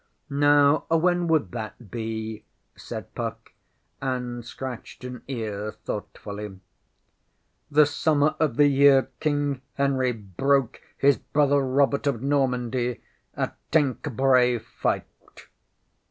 ŌĆÖ ŌĆśNow when would that be? ŌĆÖ said Puck, and scratched an ear thoughtfully. ŌĆśThe summer of the year King Henry broke his brother Robert of Normandy at Tenchebrai fight.